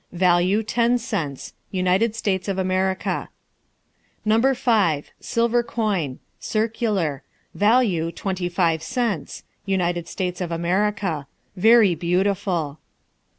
Value ten cents. United States of America. No. 5. Silver coin. Circular. Value twenty five cents. United States of America. Very beautiful.